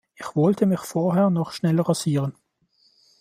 Ich wollte mich vorher noch schnell rasieren.